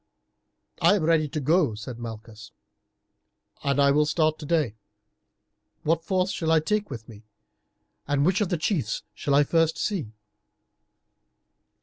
"I am ready to go," Malchus said, "and will start today. What force shall I take with me, and which of the chiefs shall I first see?"